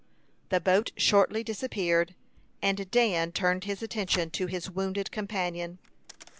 The boat shortly disappeared, and Dan turned his attention to his wounded companion.